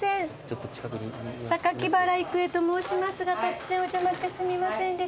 榊原郁恵と申しますが突然お邪魔してすみませんです。